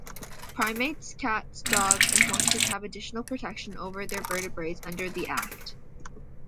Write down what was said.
Primates, cats, dogs and horses had additional protection over other vertebrates under the Act.